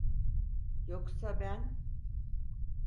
Yoksa ben…